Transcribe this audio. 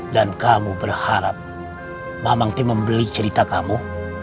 dan kamu berharap mamangti membeli cerita kamu